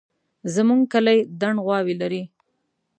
زموږ کلی دڼ غواوې لري